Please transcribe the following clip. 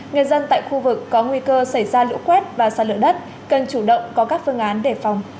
người dân tại khu vực có nguy cơ xảy ra lũ quét và xa lượng đất cần chủ động có các phương án để phòng